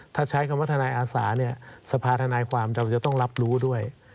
ถ้าใช้คำว่าทนายอาสาเนี่ยสภาธนายความเราจะต้องรับรู้ด้วย